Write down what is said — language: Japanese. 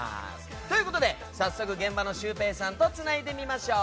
ということで、早速現場のシュウペイさんとつないでみましょう。